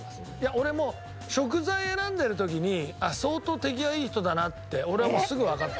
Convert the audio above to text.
俺もう食材選んでる時に相当手際いい人だなって俺はもうすぐわかった。